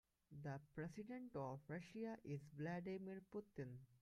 The president of Russia is Vladimir Putin.